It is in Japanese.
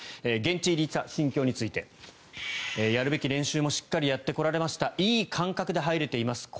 現地入りした心境についてやるべき練習もしっかりやってこられましたいい感覚で入れています。